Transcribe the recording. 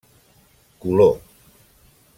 Color: